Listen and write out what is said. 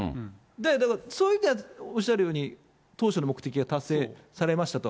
だからそういう意味ではおっしゃるように当初の目的は達成されましたと。